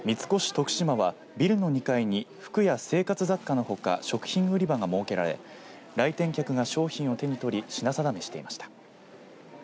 徳島はビルの２階に服や生活雑貨のほか食品売り場が設けられ、来店客が商品を手に取り品定めしていました。